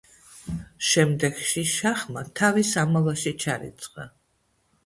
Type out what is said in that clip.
შემდეგში შაჰმა თავის ამალაში ჩარიცხა.